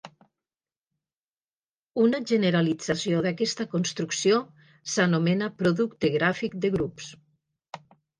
Una generalització d'aquesta construcció s'anomena producte gràfic de grups.